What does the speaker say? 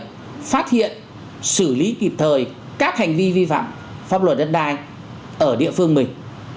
để phát hiện xử lý kịp thời các hành vi vi phạm pháp luật đất đai ở địa phương mình